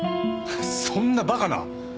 そんなバカな。